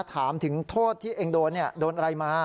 ถามถึงโทษที่เองโดนโดนอะไรมา